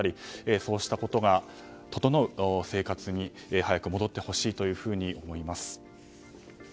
そうしたことが整う生活に早く戻ってほしいと思います。